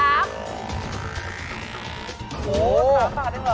๓ตัวหนึ่งเหรอ